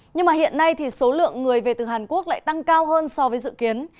nhưng mà hiện nay thì số lượng người về từ hàn quốc lại tăng cao hơn so với dự kiến